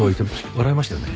笑いましたよね？